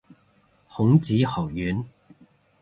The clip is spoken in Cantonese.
孔子學院